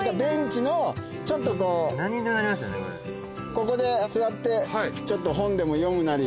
ここで座ってちょっと本でも読むなり。